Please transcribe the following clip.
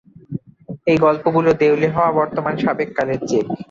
এই গল্পগুলো দেউলে-হওয়া বর্তমানের সাবেক কালের চেক।